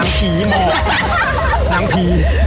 น้ำผี